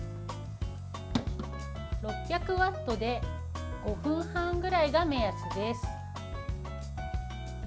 ６００ワットで５分半ぐらいが目安です。